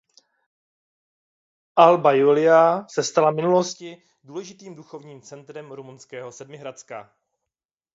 Alba Iulia se stala v minulosti důležitým duchovním centrem rumunského Sedmihradska.